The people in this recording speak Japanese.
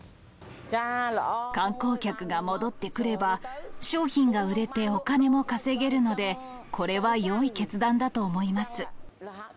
観光客が戻ってくれば商品が売れてお金も稼げるので、これはよい決断だと思います。